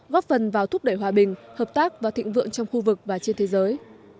góp phần vào thúc đẩy hòa bình hợp tác và thịnh vượng trong khu vực và trên thế giới